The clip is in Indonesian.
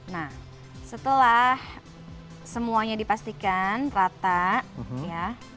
nah setelah semuanya dipastikan rata ya